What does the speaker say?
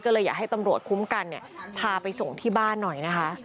ก็เลยอยากให้ตำรวจคุ้มกันเนี่ยพาไปส่งที่บ้านหน่อยนะคะ